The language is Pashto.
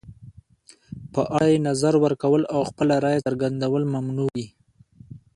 په اړه یې نظر ورکول او خپله رایه څرګندول ممنوع وي.